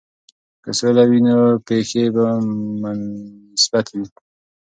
که سوله وي، نو پېښې به مثبتې وي.